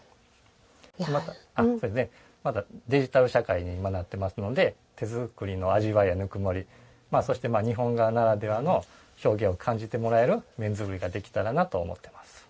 また、デジタル社会に今なってますので手作りの味わいや、ぬくもりそして、日本画ならではの表現を感じてもらえる面作りができたらなと思ってます。